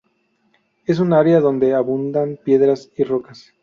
Es un área donde abundan piedras y rocas.